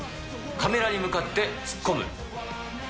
カメラに向かって突っ込む。